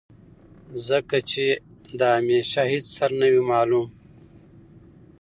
ځکه چې د همېشه هېڅ سر نۀ وي معلوم